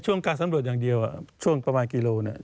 การสำรวจอย่างเดียวช่วงประมาณกิโลเนี่ย